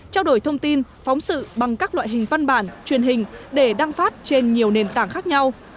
trao đổi thông tin phóng sự bằng các loại hình văn bản truyền hình để đăng phát trên nhiều nền tảng khác nhau